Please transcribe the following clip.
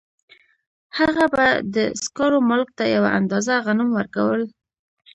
هغه به د سکارو مالک ته یوه اندازه غنم ورکول